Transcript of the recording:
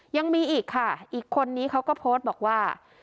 ยังมีอีกค่ะอีกคนนี้เขาก็โพสต์บอกว่า